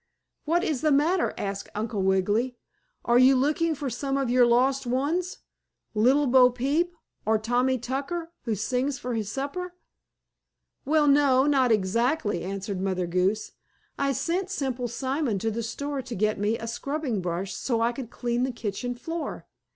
"What is the matter?" asked Uncle Wiggily. "Are you looking for some of your lost ones Little Bopeep or Tommy Tucker, who sings for his supper?" "Well, no, not exactly," answered Mother Goose. "I sent Simple Simon to the store to get me a scrubbing brush, so I could clean the kitchen floor.